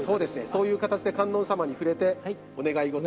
そういう形で観音様に触れてお願い事